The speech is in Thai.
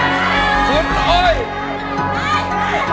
จับมือประคองขอร้องอย่าได้เปลี่ยนไป